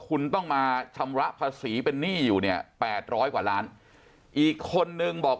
คุณต้องมาชำระภาษีเป็นหนี้อยู่เนี่ยแปดร้อยกว่าล้านอีกคนนึงบอก